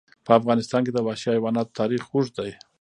په افغانستان کې د وحشي حیواناتو تاریخ اوږد دی.